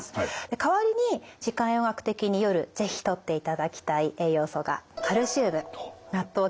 代わりに時間栄養学的に夜是非とっていただきたい栄養素がカルシウムナットウキナーゼＧＡＢＡですね。